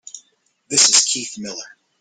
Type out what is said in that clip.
This is Keith Miller.